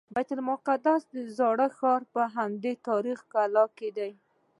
د بیت المقدس زوړ ښار په همدې تاریخي کلا کې دی.